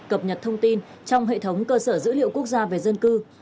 cập nhật thông tin trong hệ thống cơ sở dữ liệu quốc gia về dân cư